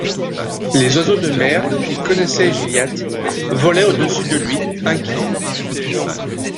Les oiseaux de mer, qui connaissaient Gilliatt, volaient au-dessus de lui, inquiets.